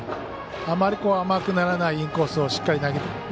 あまり甘くならないインコースをしっかり投げる。